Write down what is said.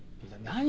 何？